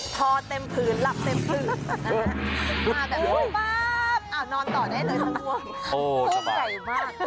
พอเต็มผื่นหลับเต็มผื่นมาแบบป๊าบอ่ะนอนต่อได้เลยสังหวัง